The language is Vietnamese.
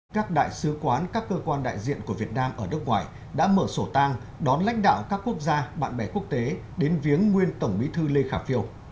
các đại sứ quán các cơ quan đại diện của việt nam ở nước ngoài đã mở sổ tang đón lãnh đạo các quốc gia bạn bè quốc tế đến viếng nguyên tổng bí thư lê khả phiêu